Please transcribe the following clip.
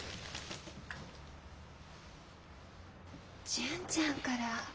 純ちゃんから。